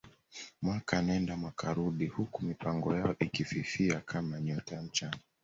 Mwaka nenda mwaka rudi huku mipango yao ikififia kama nyota ya mchana